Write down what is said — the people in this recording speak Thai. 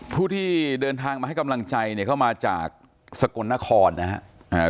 ผู้ที่เดินทางมาให้กำลังใจเนี่ยเข้ามาจากสกลนครนะครับ